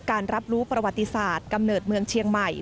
รับรู้ประวัติศาสตร์กำเนิดเมืองเชียงใหม่